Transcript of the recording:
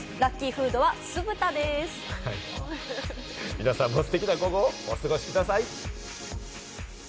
皆さんもステキな午後をお過ごしください。